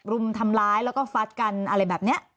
รุมทำร้ายแล้วก็ฟัดกันอะไรแบบนี้